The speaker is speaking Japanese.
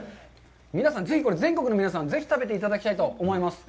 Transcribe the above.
皆さん、ぜひ全国の皆さん、ぜひ食べていただきたいと思います。